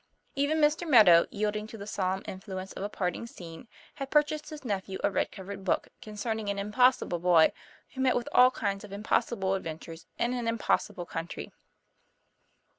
Even Mr. Meadow, yielding to the solemn influ ence of a parting scene, had purchased his nephew a red covered book, concerning an impossible boy, who met with all kinds of impossible adventures in an impossible country.